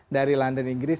dari london inggris